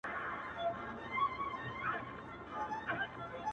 • سلمان وویل قسمت کړي وېشونه -